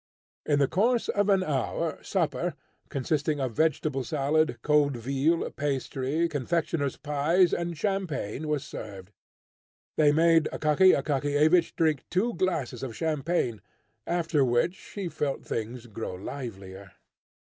In the course of an hour, supper, consisting of vegetable salad, cold veal, pastry, confectioner's pies, and champagne, was served. They made Akaky Akakiyevich drink two glasses of champagne, after which he felt things grow livelier.